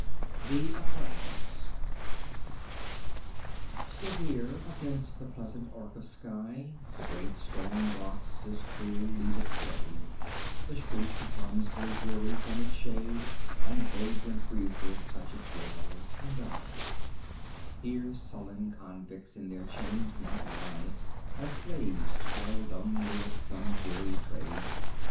The Apartment House Severe against the pleasant arc of sky The great stone box is cruelly displayed. The street becomes more dreary from its shade, And vagrant breezes touch its walls and die. Here sullen convicts in their chains might lie, Or slaves toil dumbly at some dreary trade.